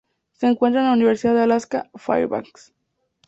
Se encuentra en la Universidad de Alaska Fairbanks.